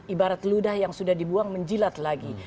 ibarat ludah yang sudah dibuang menjilat lagi